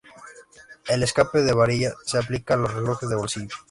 El escape de varilla se aplica a los relojes de bolsillo.